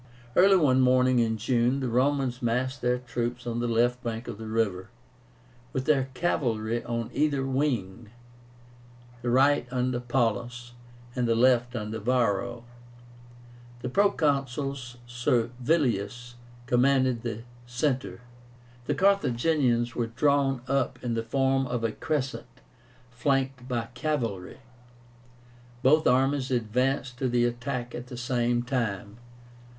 Early one morning in June the Romans massed their troops on the left bank of the river, with their cavalry on either wing, the right under Paullus, and the left under Varro. The Proconsul Servilius commanded the centre. The Carthaginians were drawn up in the form of a crescent, flanked by cavalry. Both armies advanced to the attack at the same time.